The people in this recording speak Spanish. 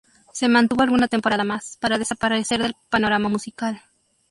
Se mantuvo alguna temporada más, para desaparecer del panorama musical.